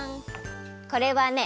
これはね